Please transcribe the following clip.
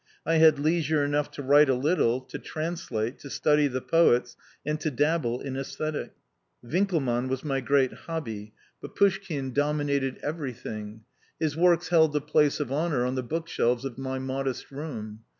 I had leisure enough to write a little, to translate, to study the poets, and to dabble in aesthetics. Winckelmann was my great hobby, but Pouschkine domi PREFACE vii nated everything. His works held the place of honour on the book shelves of my modest room.